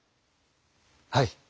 はい。